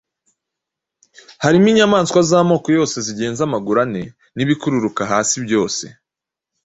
Harimo inyamaswa z’amoko yose zigenza amaguru ane, n’ibikururuka hasi byose,